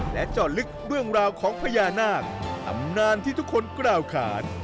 และเจาะลึกเรื่องราวของพญานาคตำนานที่ทุกคนกล่าวขาน